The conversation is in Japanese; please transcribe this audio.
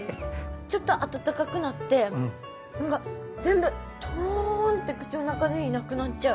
ちょっと温かくなって全部とろんって口の中でいなくなっちゃう。